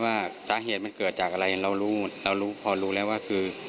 ว่าสาเหตุมันเกิดจากอะไรเรารู้หมดเรารู้พอรู้แล้วว่าคือ